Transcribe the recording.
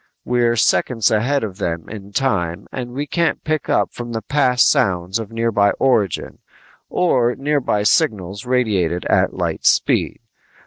We're seconds ahead of them in time and we can't pick up from the past sounds of nearby origin or nearby signals radiated at light speed.